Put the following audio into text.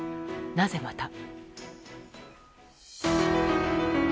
なぜ、また？